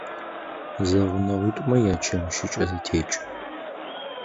Зэгъунэгъуитӏумэ ячэмыщыкӏэ зэтекӏы.